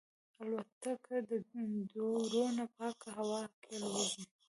الوتکه د دوړو نه پاکه هوا کې الوزي.